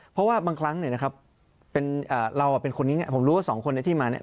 เพราะว่าบางครั้งหนึ่งนะครับเป็นอ่าเราอ่ะเป็นคนง่ายง่ายผมรู้ว่าสองคนเนี้ยที่มาเนี้ย